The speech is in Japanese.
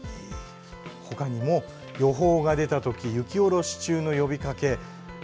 他にも予報が出た時雪下ろし中の呼びかけ